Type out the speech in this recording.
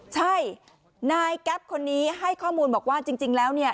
ใช่นายแก๊ปคนนี้ให้ข้อมูลบอกว่าจริงแล้วเนี่ย